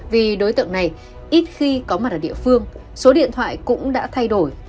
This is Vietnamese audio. vì đối tượng này ít khi có mặt ở địa phương số điện thoại cũng đã thay đổi